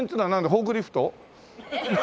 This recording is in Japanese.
フォークリフト？